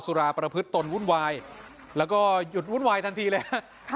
ราประพฤติตนวุ่นวายแล้วก็หยุดวุ่นวายทันทีเลยฮะ